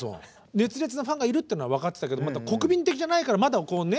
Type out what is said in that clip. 熱烈なファンがいるっていうのは分かってたけど国民的じゃないからまだこうね